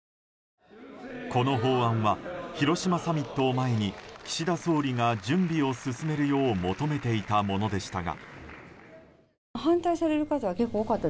この法案は広島サミットを前に岸田総理が準備を進めるよう求めていたものでしたが。